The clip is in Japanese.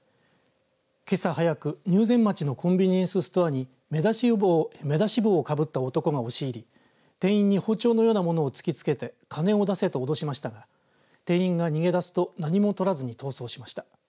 けさ早く入善町のコンビニエンスストアに目出し帽をかぶった男が押し入り店員に包丁のようなものを突きつけて金を出せとおどしましたが店員が逃げ出すと何も取らずに逃走しました。